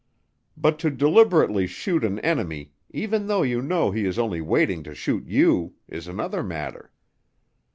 But to deliberately shoot an enemy, even though you know he is only waiting to shoot you, is another matter.